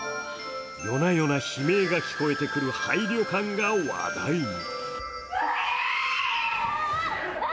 夜な夜な、悲鳴が聞こえてくる廃旅館が話題に。